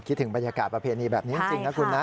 คิดถึงบรรยากาศประเพณีแบบนี้จริงนะคุณนะ